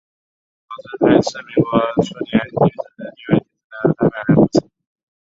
同时她也是民国初年女子地位提升的代表人物之一。